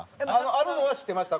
あるのは知ってました？